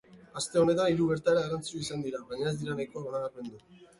Aste honetan hiru gertaera garrantzitsu izan dira, baina ez dira nahikoa nabarmendu.